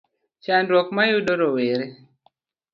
Chandruok ma yudo rowere